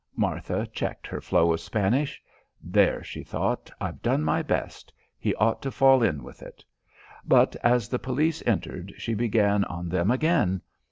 Martha checked her flow of Spanish. "There!" she thought, "I've done my best. He ought to fall in with it." But as the police entered she began on them again.